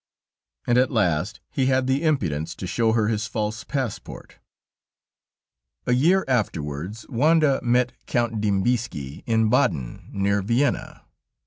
And at last, he had the impudence to show her his false passport. A year afterwards, Wanda met Count Dembizki in Baden, near Vienna.